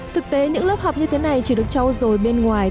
thực tế những lớp học như thế này chỉ được trao dồi bên ngoài